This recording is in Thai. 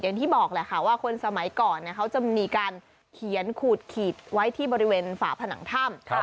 อย่างที่บอกแหละค่ะว่าคนสมัยก่อนเขาจะมีการเขียนขูดขีดไว้ที่บริเวณฝาผนังถ้ำ